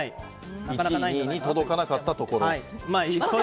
１位に届かなかったところと。